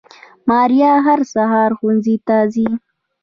ماريه هر سهار ښوونځي ته ځي